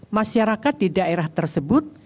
masyarakat di daerah tersebut